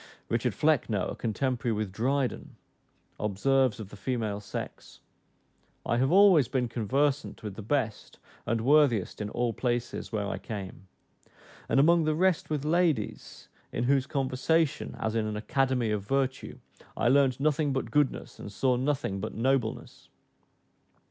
Richard Flecknoe, a contemporary with Dryden, observes of the female sex, "I have always been conversant with the best and worthiest in all places where I came; and among the rest with ladies, in whose conversation, as in an academy of virtue, I learnt nothing but goodness, and saw nothing but nobleness."